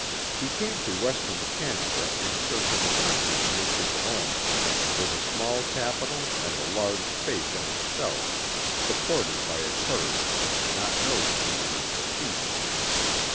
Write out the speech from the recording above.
He came to Western Canada in search of a country to make his own, with a small capital and a large faith in himself, supported by a courage that did not know the meaning of defeat.